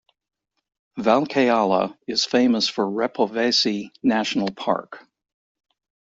Valkeala is famous for Repovesi National Park.